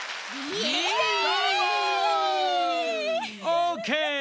オーケー！